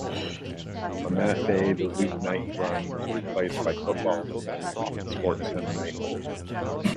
On that day the weeknight run was replaced by Football Tonight and SportsCenter Nightly.